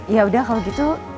ya udah kalau gitu